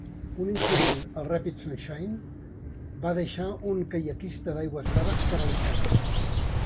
Un incident al ràpid "Sunshine" va deixar un caiaquista d'aigües braves paralitzat.